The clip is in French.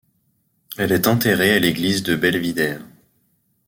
Elle est enterrée à l'église de Belvidere.